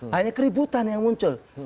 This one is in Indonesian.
hanya keributan yang muncul